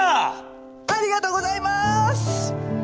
ありがとうございます！